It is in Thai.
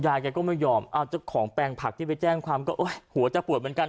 ยายแกก็ไม่ยอมเอาเจ้าของแปลงผักที่ไปแจ้งความก็หัวจะปวดเหมือนกัน